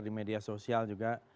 di media sosial juga